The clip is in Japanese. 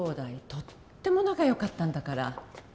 とっても仲良かったんだから。